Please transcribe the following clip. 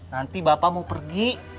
nanti bapak mau pergi